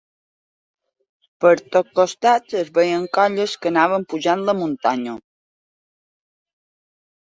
Per tots costats es veien colles que anaven pujant la muntanya